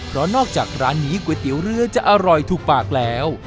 เพราะนอกจากร้านนี้ก๋วยเตี๋ยวเรือจะอร่อยถูกปากแล้ว